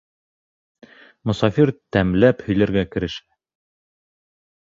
Мосафир тәмләп һөйләргә керешә: